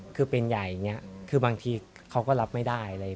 คือเป็นใหญ่อย่างนี้คือบางทีเขาก็รับไม่ได้